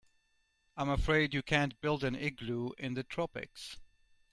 I'm afraid you can't build an igloo in the tropics.